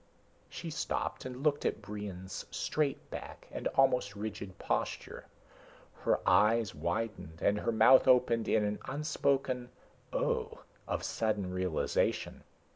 She stopped and looked at Brion's straight back and almost rigid posture. Her eyes widened and her mouth opened in an unspoken oh of sudden realization.